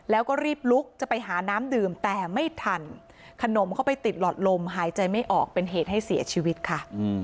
แล้วก็รีบลุกจะไปหาน้ำดื่มแต่ไม่ทันขนมเข้าไปติดหลอดลมหายใจไม่ออกเป็นเหตุให้เสียชีวิตค่ะ